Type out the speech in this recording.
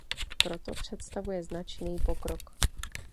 Proto představuje značný pokrok.